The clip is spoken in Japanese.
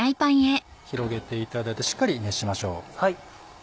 広げていただいてしっかり熱しましょう。